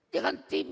datang pak rusmin